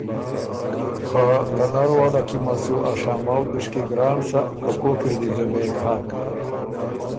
خه ته نر واله کی مه له سو ا شامؤ دُشکی ګران سۀ که کوک اِر دی ځبېک هۀ؟